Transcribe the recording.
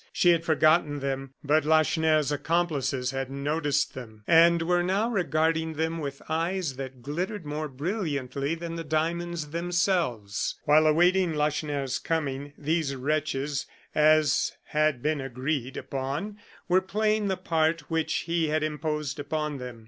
She had forgotten them, but Lacheneur's accomplices had noticed them, and were now regarding them with eyes that glittered more brilliantly than the diamonds themselves. While awaiting Lacheneur's coming, these wretches, as had been agreed upon, were playing the part which he had imposed upon them.